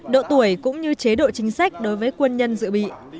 độ tuổi cũng như chế độ chính sách đối với quân nhân dự bị